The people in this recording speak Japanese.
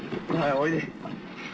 おいで。